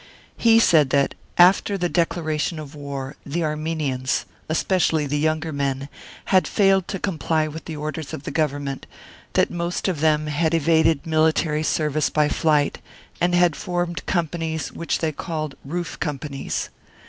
He said that, after the declaration of war, the Armenians, especially the younger men, had failed to comply with the orders of the Government, that most of them had evaded military service by flight, and had formed companies which they called " Roof Companies."